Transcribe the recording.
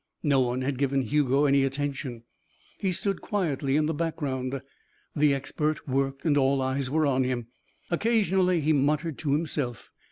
No one had given Hugo any attention. He stood quietly in the background. The expert worked and all eyes were on him. Occasionally he muttered to himself.